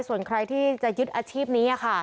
ส่วนใครที่จะยึดอาชีพนี้ค่ะ